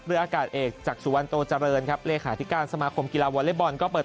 เรืออากาศเอกจากสุวรรณโตเจริญครับ